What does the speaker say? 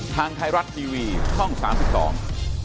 ทางไทยรัฐทีวีช่องสามสิบสอง